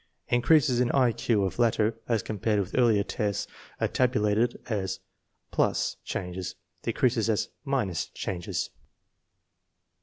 Increases in I Q of later as compared with earlier tests are tabulated as + changes, decreases as changes.